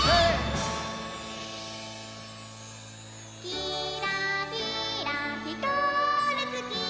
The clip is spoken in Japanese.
「きらきらひかるつき